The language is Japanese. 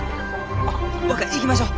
若行きましょう！